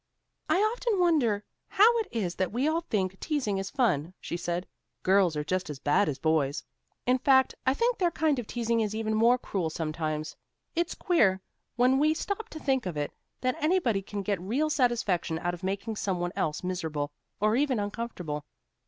"I often wonder how it is that we all think teasing is fun," she said. "Girls are just as bad as boys. In fact, I think their kind of teasing is even more cruel sometimes. It's queer, when we stop to think of it, that anybody can get real satisfaction out of making some one else miserable, or even uncomfortable."